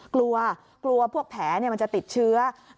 กลัวกลัวพวกแผลมันจะติดเชื้อ